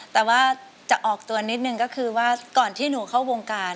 แต่ว่าจะออกตัวนิดนึงก็คือว่าก่อนที่หนูเข้าวงการ